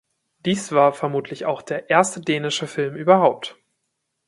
Dies war vermutlich auch der erste dänische Filme überhaupt.